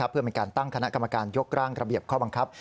เพื่อเป็นการตั้งคณะกรรมการยกร่างระเบียบข้อบังคับ